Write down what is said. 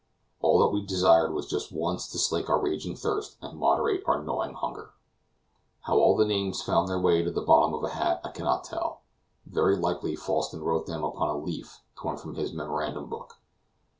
All that we desired was just once to slake our raging thirst and moderate our gnawing hunger. How all the names found their way to the bottom of a hat I cannot tell. Very likely Falsten wrote them upon a leaf torn from his memorandum book.